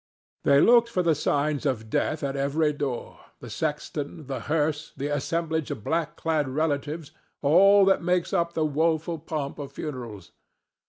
They looked for the signs of death at every door—the sexton, the hearse, the assemblage of black clad relatives, all that makes up the woeful pomp of funerals.